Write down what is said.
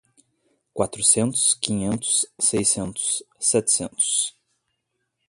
Quatrocentos, quinhentos, seiscentos, setecentos